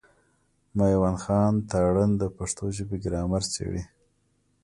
مېوند خان تارڼ د پښتو ژبي ګرامر څېړي.